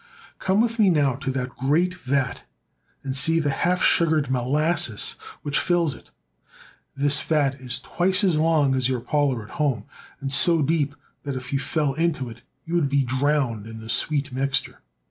Come with me now to that great vat, and see the half sugared molasses which fills it. This vat is twice as long as your parlor at home, and so deep that if you fell into it Where the Sugar Cane Grows. you would be drowned in the sweet mixture.